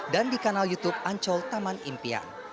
dan di kanal youtube ancol taman impian